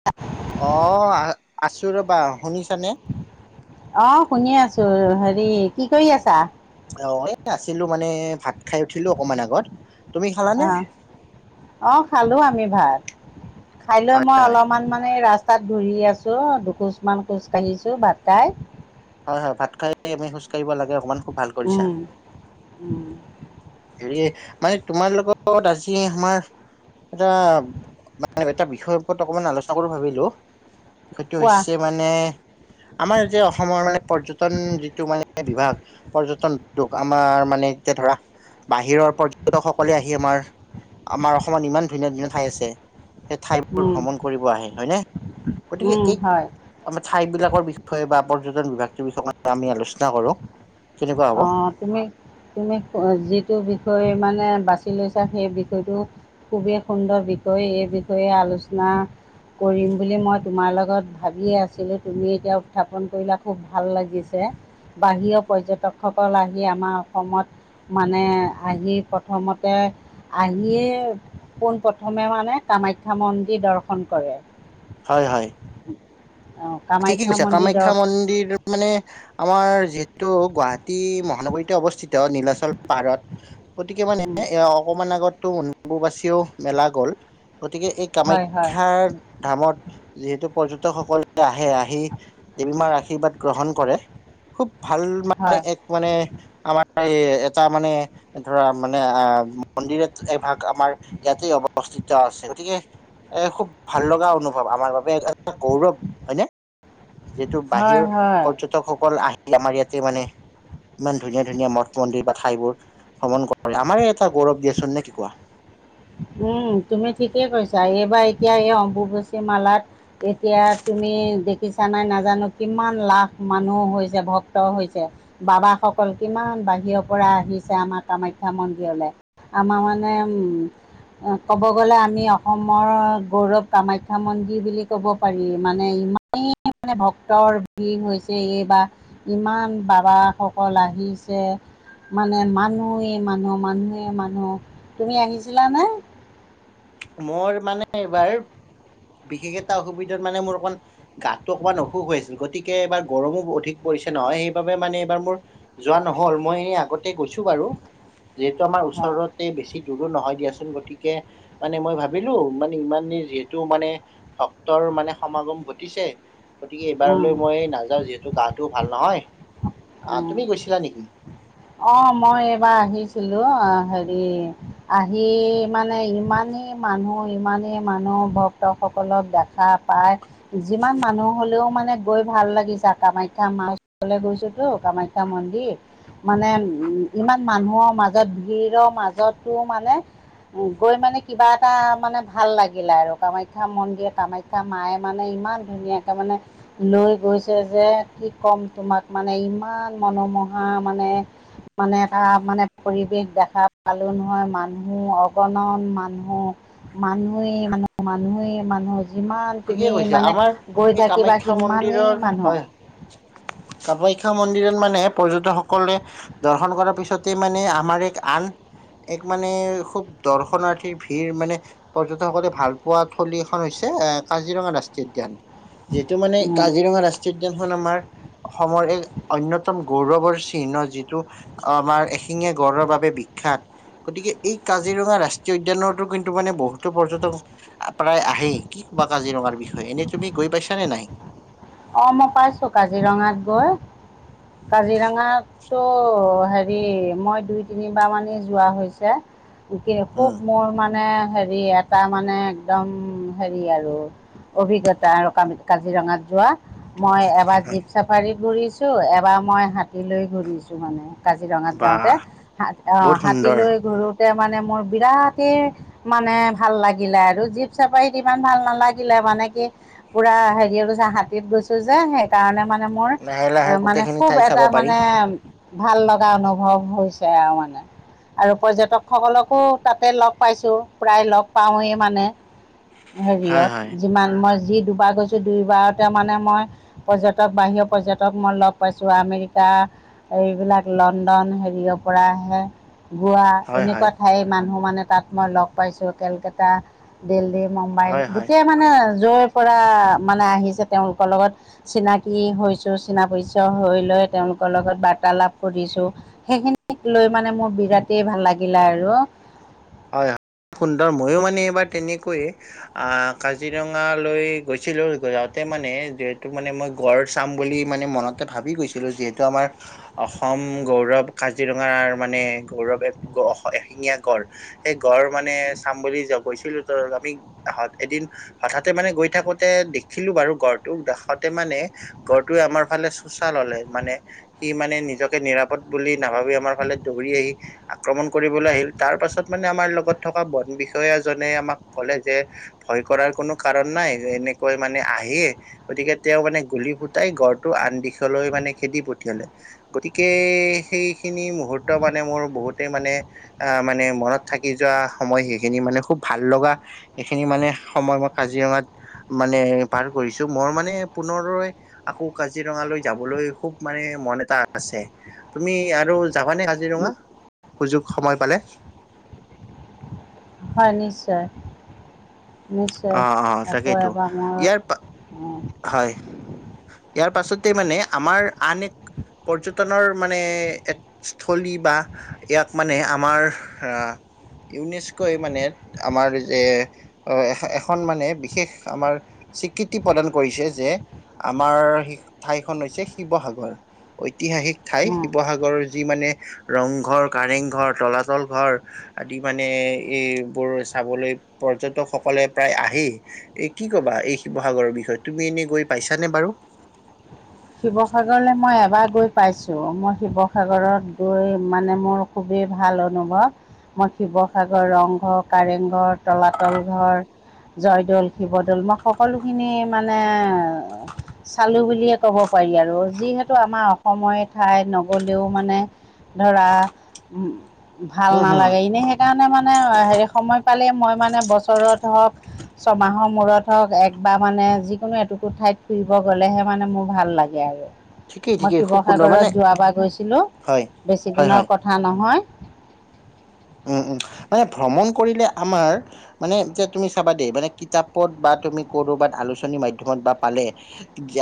[unintelligible] অ', আছো ৰ'বা, শুনিছানে? অ', শুনিয়ে আছোঁ‌, হেৰি, কি কৰি আছা? অ', এ, আছিলোঁ‌ মানে ভাত খাই উঠিলোঁ‌ অকমান আগত। তুমি খালানে? আহ, অ', খালোঁ‌ আমি ভাত। খাই লৈ হয়, মই হয়, অলপমান মানে ৰাস্তাত ঘূৰি আছোঁ‌, দুখোজ মান খোজ কাঢ়িছো ভাত খাই। হয়-হয় ভাত খাই উঠি আমি খোজ কাঢ়িব লাগে অকমান, খুব ভাল কৰিছা। উম, উম। হেৰি, মানে তোমাৰ লগত আজি আমাৰ এটা, মানে এটা বিষয়ৰ ওপৰত অকমান আলোচনা কৰো ভাবিলোঁ‌, বিষয়টো কোৱা হৈছে মানে, আমাৰ যে অসমৰ মানে পৰ্যটন যিটো মানে বিভাগ পৰ্যটন উদ্যোগ, আমাৰ মানে এতিয়া ধৰা বাহিৰৰ পৰ্যটক সকলে আহি আমাৰ আমাৰ অসমত ইমান ধুনীয়া-ধুনীয়া ঠাই আছে, সেই ঠাইবোৰ উম, ভ্ৰমণ কৰিব আহে, হয়নে? গতিকে উম, এই হয়। আমাৰ ঠাই বিলাকৰ বিষয়ে বা পৰ্যটন বিভাগটোৰ বিষয়ে [unintelligible] আমি আলোচনা কৰো। কেনেকুৱা হ'ব অ'। তুমি, তুমি যিটো বিষয় মানে বাছি লৈছা সেই বিষয়টো খুবেই সুন্দৰ বিষয়, এই বিষয়ে আলোচনা কৰিম বুলি মই তোমাৰ লগত ভাবিয়ে আছিলোঁ, তুমি এতিয়া উত্থাপন কৰিলা খুব ভাল লাগিছে। বাহিৰৰ পৰ্যটকসকল আহি আমাৰ অসমত মানে আহি প্ৰথমতে, আহিয়ে পোনপ্ৰথমে মানে কামাখ্যা মন্দিৰ দৰ্শন কৰে। হয়-হয়। অ'। ঠিকেই কৈছা, কামাখ্যা মন্দিৰ মানে আমাৰ যিহেতু গুৱাহাটী মহানগৰীতে অৱস্থিত, নীলাচল পাহাৰত গতিকে মানে উম, এ অকমান আগতো অম্বুবাচিও মেলা গ'ল, গতিকে এ হয় হয় কামাখ্যাৰ ধামত যিহেতু পৰ্যটকসকল আহে, আহি দেৱী মাৰ আশীৰ্বাদ গ্ৰহণ কৰে, খুব ভাল মানে হয় এক মানে আমাৰ এই এটা মানে ধৰা মানে আহ মন্দিৰত এভাগ আমাৰ ইয়াতে অৱস্থিত ত আছে, গতিকে এ খুব ভাল লগা অনুভৱ আমাৰ বাবে, এটা গৌৰৱ হয়নে? যিহেতু হয় বাহিৰৰ হয় পৰ্যটকসকল আহি আমাৰ ইয়াতে মানে ইমান ধুনীয় ধুনীয়া মঠ মন্দিৰ বা ঠাইবোৰ ভ্ৰমণ কৰে, আমাৰ এটা গৌৰৱ দিয়াচোন নে কি কোৱা? উম, তুমি ঠিকেই কৈছা, এইবাৰ এতিয়া এই অম্বুবাচী মালাত এতিয়া তুমি দেখিছা নাই নাজানো কিমান লাখ মানুহ হৈছে, ভক্ত হৈছে। বাবা সকল কিমান বাহিৰৰ পৰা আহিছে আমাৰ কামাখ্যা মন্দিৰলে। আমাৰ মানে উম ক'ব গ'লে আমি অসমৰ গৌৰৱ কামাখ্যা মন্দিৰ বুলি ক'ব পাৰি। মানে ইমান মানে ভক্তৰ ভিৰ হৈছে, এই বা ইমান বাবাসকল আহিছে। মানে মানুহে মানুহ, মানুহে মানুহ, তুমি আহিছিলানে? মোৰ মানে এইবাৰ বিশেষ এটা অসুবিধাত মানে মোৰ অকণ গাটো অকণমান অসুখ হৈ আছিল, গতিকে এইবাৰ গৰমো অধিক পৰিছে নহয় সেইবাবে মানে এইবাৰ মোৰ যোৱা নহল, মই এ আগতে গৈছো বাৰু। যিহেতু আমাৰ হয় ওচৰতে, বেছি দূৰো নহয় দিয়াচোন। গতিকে মানে মই ভাবিলো মানে ইমানেই যিহেতু মানে ভক্তৰ মানে সমাগম ঘটিছে। গতিকে এইবাৰলৈ অঁ মই নাযাওঁ, যিহেতু গাটোও ভাল নহয়, আহ অঁ তুমি গৈছিলা নেকি? অ', মই এইবাৰ আহিছিলো অ' হেৰি আহি মানে ইমানেই মানুহ ইমানেই মানুহ ভক্তসকলক দেখা পায়, যিমান হ'লেওঁ মানে গৈ ভাল লাগি যায়, কামাখ্যা মাৰ ওছৰলৈ গৈছোতো কামাখ্যা মন্দিৰ। মানে ইমান মানুহৰ মাজত ভিৰৰ মাজতো মানে উ, গৈ মানে কিবা এটা মানে ভাল লাগিলে আৰু, কামাখ্যা মন্দিৰ কামাখ্যা মায়ে মানে ইমান ধুনীয়াকৈ মানে লৈ গৈছে যে, কি ক'ম তোমাক মানে ইমান মনোমোহা মানে। মানে এটা মানে পৰিৱেশ দেখা পালো নহয়, মানুহ অগণন মানুহ। মানুহেই মানে মানুহেই মানুহ। যিমান ঠিকেই তুমি কৈছা মানে আমাৰ গৈ এই থাকিবা কামাখ্যা সিমানেই মন্দিৰৰ মানুহ। হয় কামাখ্যা মন্দিৰত মানে পৰ্যটকসকলে দৰ্শন কৰাৰ পিছতে মানে আমাৰ এক আন এক মানে খুব দৰ্শনাৰ্থীৰ ভিৰ মানে পৰ্যটকসকলে ভাল পোৱা থলী এখন হৈছে কাজিৰঙা ৰাষ্ট্ৰীয় উদ্যান। যিহেতু মানে কাজিৰঙা ৰাষ্ট্ৰীয় উদ্যানখন আমাৰ অসমৰ এক অন্যতম গৌৰৱৰ চিহ্ন, যিটো আমাৰ এশিঙীয়া গড়ৰ বাবে বিখ্যাত। গতিকে এই কাজিৰঙা ৰাষ্ট্ৰীয় উদ্যানতো কিন্তু মানে বহুতো পৰ্যটক প্ৰায় আহেই, কি ক'বা কাজিৰঙাৰ বিষয়ে, এনেই তুমি গৈ পাইছা নে নাই? অ', মই পাইছো কাজিৰঙাত গৈ। কাজিৰঙাত ত' হেৰি মই দুই তিনিবাৰ মানে যোৱা হৈছে। খুব উম মোৰ মানে হেৰি এটা মানে একদম হেৰি আৰু। অভিজ্ঞতা আৰু ক-কাজিৰঙাত যোৱা। মই এবাৰ জীপ চাফাৰীত ঘূৰিছোঁ, এবাৰ মই হাতীলৈ ঘূৰিছোঁ মানে কাজিৰঙাত বা যাওঁতে। হাত অঁ, বহুত সুন্দৰ হাতীলৈ ঘূৰোঁতে মানে মোৰ বিৰাটেই মানে ভাল লাগিলে আৰু, জীপ চাপাৰীত ইমান ভাল নালাগিলে মানে কি পুৰা [unintelligible] হাতীত গৈছোঁ যে, সেইকাৰণে মানে মোৰ লাহে লাহে মানে গোটেইখিনি খুব ঠাই চাব এটা পাৰি মানে ভাল লগা অনুভৱ হৈছে আৰু মানে। আৰু পৰ্যটক সকলকো তাতে লগ পাইছো, প্ৰায় লগ পাওঁৱেই মানে। হয় হেৰিয়ত, হয় যিমান মই যি দুবাৰ গৈছো, দুইবাৰত তে মানে মই পৰ্যটক, বাহিৰৰ পৰ্যটক মই লগ পাইছোঁ, আমেৰিকা আৰু এইবিলাক লণ্ডন, হেৰিয়ৰ পৰা আহে গোৱা, হয় এনেকুৱা হয় ঠাইৰ মানুহ মানে তাত মই লগ পাইছোঁ। কেলকেতা দিল্লী, মুম্বাই হয় হয় গোটেই মানে য'ৰ পৰা মানে আহিছে, তেওঁলোকৰ লগত চিনাকি হৈছোঁ, চিনা-পৰিচয় হৈ লৈ তেওঁলোকৰ লগত বাৰ্তালাপ কৰিছোঁ। সেইখিনিক লৈ মানে মোৰ বিৰাটেই ভাল লাগিলে আৰু। হয়, হয়, সুন্দৰ। ময়ো মানে এইবাৰ তেনেকৈয়ে আহ, কাজিৰঙা লৈ গৈছিলোঁ, যাওঁতে মানে যিহেতু মানে মই গঁড় চাম বুলি মানে মনতে ভাবি গৈছিলো, যিহেতু আমাৰ অসম গৌৰৱ কাজিৰঙাৰ মানে গৌৰৱ এ এশিঙীয়া গঁড়। সেই গঁড় মানে চাম বুলি য গৈছিলো, [unintelligible] আমি আহত এদিন হঠাতে মানে গৈ থাকোতে দেখিলো বাৰু গঁড়টোক, দেখতে মানে গঁড়টোৱে আমাৰ ফালে চুচাল ল'লে, মানে সি মানে নিজকে নিৰাপদ বুলি নাভাবি, আমাৰ ফালে দৌৰি আহি আক্ৰমণ কৰিবলৈ আহিল। তাৰ পাছত, মানে আমাৰ লগত থকা বন বিষয়াজনে আমাক ক'লে যে ভয় কৰাৰ কোনো কাৰণ নাই, এনেকৈ মানে আহেই। গতিকে, তেওঁ মানে গুলি ফুটাই, গড়টো আন দিশলৈ মানে খেদি পঠিয়ালে। গতিকে, সেইখিনি মুহূৰ্ত মানে মোৰ বহুতেই মানে আহ, মানে মনত থাকি যোৱা সময়, সেইখিনি মানে খুব ভাল লগা, এইখিনি মানে সময় মই কাজিৰঙাত মানে পাৰ কৰিছো, মই মানে পুনৰ দৰে আকৌ কাজিৰঙালৈ যাবলৈ খুব মানে মন এটা আছে। তুমি আৰু যাবানে কাজিৰঙা, সুযোগ সময় পালে? হয়, নিশ্চয়। নিশ্চয়, অ অ আকৌ তাকেইতো এবাৰ মোৰ ইয়াৰ হয়, ইয়াৰ পাছতে মানে আমাৰ আন এক পৰ্যটনৰ মানে স্থলী বা ইয়াক মানে আমাৰ ইউনেস্কই মানে, আমাৰ যে অ, এ এখন মানে বিশেষ আমাৰ স্বীকৃতি প্ৰদান কৰিছে যে, আমাৰ ঠাইখন হৈছে শিৱসাগৰ, ঐতিহাসিক ঠাই শিৱসাগৰৰ যি মানে ৰংঘৰ, কাৰেংঘৰ, তলাতল ঘৰ আদি মানে এইবোৰ চাবলৈ পৰ্যটক সকলে প্ৰায় আহেই। এ, কি ক'বা এই শিৱসাগৰৰ বিষয়ে? তুমি এনেই গৈ পাইছানে বাৰু! শিৱসাগৰলৈ মই এবাৰ গৈ পাইছোঁ। মই শিৱসাগৰত গৈ মানে মোৰ খুবেই ভাল অনুভৱ। মই শিৱসাগৰ ৰংঘৰ, কাৰেং ঘৰ, তলাতল ঘৰ জয়দৌল, শিৱদৌল মই সকলোখিনি মানে চালো বুলিয়ে ক'ব পাৰি আৰু যিহেতু আমাৰ অসমৰে ঠাই নগ'লেও মানে ধৰা উম, ভাল উম হম নালাগে এনে সে সেইকাৰণে মানে হেৰি সময় পালেই মই মানে বছৰত হওক ছমাহৰ মূৰত হওক একবাৰ মানে যিকোনো এটুকু ঠাইত ফুৰিব গ'লেহে মানে মোৰ ভাল লাগে আৰু ঠিকেই মই ঠিকেই খুব সুন্দৰ শিৱসাগৰত মানে যোৱাবাৰ গৈছিলো হয় বেছি হয় হয় দিনৰ কথা কথা নহয়? উম, উম মানে ভ্ৰমণ কৰিলে আমাৰ মানে যে তুমি চাবা দেই মানে কিতাপত বা তুমি কৰোবাত আলোচনী মাধ্যমত বা পালে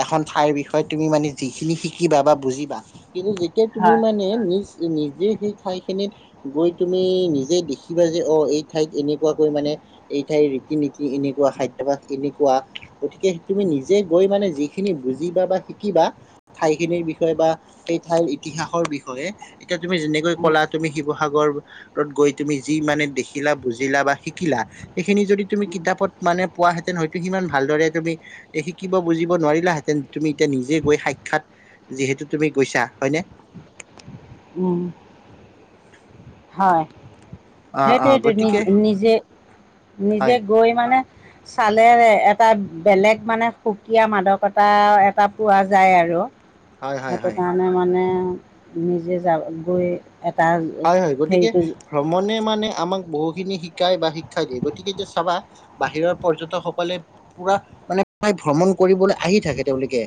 এখন ঠাইৰ বিষয়ে তুমি মানে যিখিনি শিকিবা বা বুজিবা কিন্তু তুমি হয় মানে নিজে, নিজে সেই ঠাই খিনিত গৈ তুমি নিজে দেখিবা যে অ' এই ঠাইত এনেকুৱাকৈ মানে এই ঠাইৰ ৰীতি নীতি এনেকুৱা খাদ্যভাস এনেকুৱা গতিকে তুমি নিজে গৈ মানে যি সেইখিনি বুজিবা বা শিকিবা ঠাই খিনিৰ বিষয়ে বা সেই ঠাইৰ ইতিহাসৰ বিষয়ে। এতিয়া তুমি যেনেকৈ উম, কলা তুমি শিৱসাগৰ গৈ তুমি যি মানে দেখিলা বুজিলা বা শিকিলা সেইখিনি যদি তুমি উম, কিতাপত মানে পোৱাহেঁতেন হয়তো সিমান ভালদৰে তুমি এ শিকিব বুজিব নোৱাৰিলা হেঁতেন তুমি এতিয়া নিজে গৈ সাক্ষাৎ যিহেতু তুমি গৈছা হয়নে? উম, হয় অ অ সেইটোৱ, সেইটো নিজ, গতিকে নিজে, নিজে হয় গৈ মানে চালে এটা বেলেগ মানে সুকীয়া মাদকতা এটা পোৱা যায় আৰু। হয় হয় সেইটো হয় কাৰণে মানে নিজে যায় গৈ এটা হয়, হয় গতিকে হেৰিটো ভ্ৰমণে মানে আমাক বহুখিনি শিকায় বা শিক্ষা দিয়ে গতিকে যে চাবা। বাহিৰৰ পৰ্যটকসকলে পুৰা মানে প্ৰায় ভ্ৰমণ কৰিবলৈ আহি থাকে তেওঁলোকে।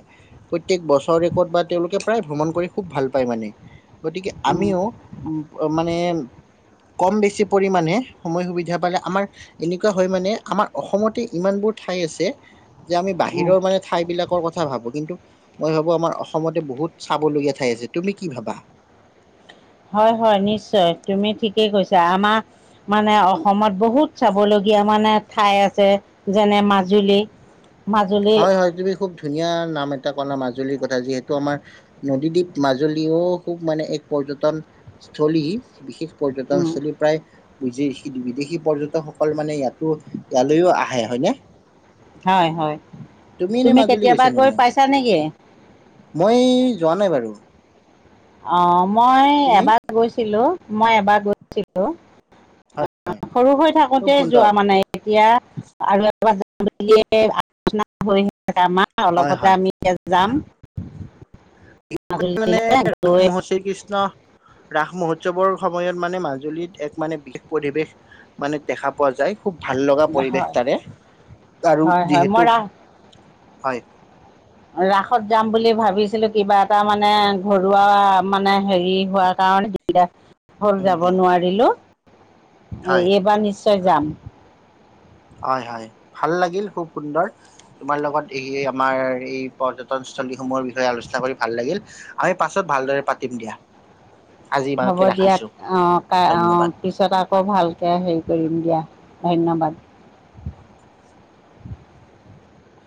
প্ৰতয়েক বছৰ ৰেকৰ্ড বা তেওঁলোকে প্ৰায় ভ্ৰমণ কৰি খুব ভাল পায় মানে গতিকে উম, আমিও মানে কম বেছি পৰিমাণে সময় সুবিধা পালে আমাৰ এনেকুৱা হয় মানে আমাৰ অসমতে ইমান বোৰ ঠাই আছে যে আমি উম বাহিৰৰ মানে ঠাই বিলাকৰ কথা ভাবো কিন্তু মই ভাবো আমাৰ অসমতে বহুত চাবলগীয়া ঠাই আছে। তুমি কি ভাবা? হয়, হয় নিশ্চয় তুমি ঠিকেই কৈছা আমাৰ মানে অসমত বহুত চাবলগীয়া মানে ঠাই আছে। যেনে মাজুলী। মাজুলী হয়, হয় তুমি খুব ধুনীয়া নাম এটা কলা মাজুলীৰ কথা যিহেতু আমাৰ নদীদ্বীপ মাজুলীও খুব মানে এক পৰ্যটন স্থলী বিশেষ উম পৰ্যটনস্থলী প্ৰায় বিদেশী পৰ্যটকসকল মানে ইয়াতো ইয়ালৈও আহে হয়নে? হয়, হয় এনে তুমি মাজুলী কেতিয়াবা গৈছা নে গৈ নাই? পাইছা নেকি? মই যোৱা নাই বাৰু। অ' মই তুমি? এবাৰ গৈছিলো মই এবাৰ গৈছিলো হয় সৰু অ' হৈ থাকো [unintelligible] খুব সৰু হৈ থাকোঁতেই সুন্দৰ। যোৱা মানে এতিয়া আৰু [unintelligible] হৈ থাকে আমাৰ হয় অলপতে হয় আমি এতিয়া যাম। [unintelligible] [unintelligible] শ্ৰীকৃষ্ণৰ। ৰাস মহোৎসৱৰ সময়ত মানে মাজুলীত এক মানে বিশেষ পৰিৱেশ মানে দেখা পোৱা যায়। খুব ভাল লগা পৰিৱেশ হয় তাৰে আৰু হয় হয় মই যিহেতু ৰাস হয়। [inaudible] ৰাসত যাম বুলি ভাবিছিলো কিবা এটা মানে ঘৰুৱা মানে হেৰি হোৱাৰ কাৰণে গা বেয়া হ'ল উম যাব হম নোৱাৰিলো হয় এইবাৰ নিশ্চয় যাম। হয়, হয়, ভাল লাগিল খুব সুন্দৰ। তোমাৰ লগত এই আমাৰ এই পৰ্যটনস্থলীসমূহৰ বিষয়ে আলোচনা কৰি ভাল লাগিল। আমি পাছত ভাল দৰে পাতিম দিয়া। আজি হ'ব ইমানতে দিয়া ৰাখিছো অ', ধন্যবাদ অ' পিছত আকৌ ভালকৈ হেৰি কৰিম দিয়া ধন্যবাদ।